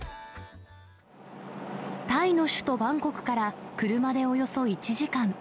タイの首都バンコクから車でおよそ１時間。